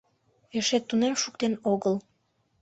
Эше тунем шуктен огыл.